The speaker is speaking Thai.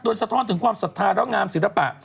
โดนสะท้อนถึงความสัตว์ท่าระงามศิลปะ